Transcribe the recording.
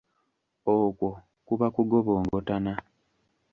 Okwo kuba kugobongotana.